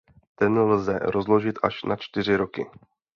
Ten lze rozložit až na čtyři roky.